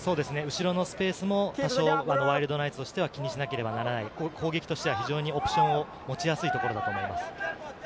後ろのスペースも多少ワイルドナイツとしては気にしなければならない、攻撃としては非常にオプションを持ちやすいところだと思います。